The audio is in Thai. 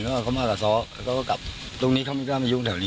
แล้วก็เขามากับซ้อเขาก็กลับตรงนี้เขาไม่กล้ามายุ่งแถวนี้